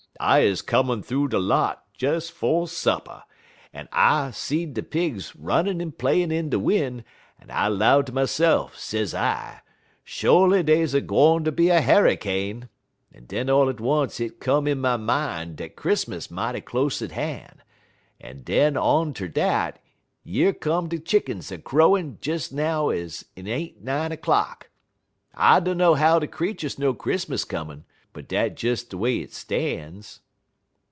I 'uz comin' thoo de lot des 'fo' supper, en I seed de pigs runnin' en playin' in de win', en I 'low ter myse'f, sez I, 'Sholy dey's a gwine ter be a harrycane,' en den all at once hit come in my min' dat Chris'mus mighty close at han', en den on ter dat yer come de chickens a crowin' des now en 't ain't nine er'clock. I dunner how de creeturs know Chris'mus comin', but dat des de way it stan's."